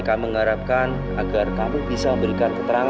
jangan untuk sisi yang cenderung